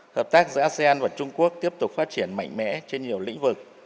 hợp tác giữa asean và trung quốc tiếp tục phát triển mạnh mẽ trên nhiều lĩnh vực